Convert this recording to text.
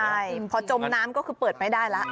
ใช่พอจมน้ำก็คือเปิดไม่ได้แล้ว